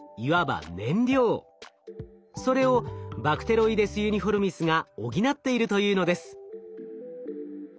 それをバクテロイデス・ユニフォルミスが補っているというのです。